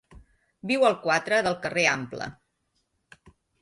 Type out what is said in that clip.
Viu al quatre del carrer Ample.